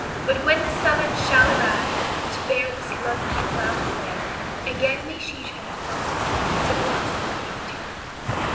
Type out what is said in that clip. But when the summons shall arrive To bear this lovely flower away, Again may she transplanted be To blossom in eternity.